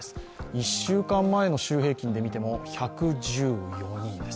１週間前の週平均で見ても１１４人です。